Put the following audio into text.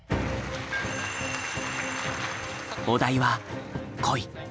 お題は「恋」。